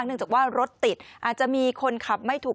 เนื่องจากว่ารถติดอาจจะมีคนขับไม่ถูก